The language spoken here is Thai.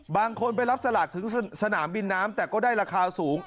บางคนไปรับสลากถึงสนามบินน้ำแต่ก็ได้ราคาสูง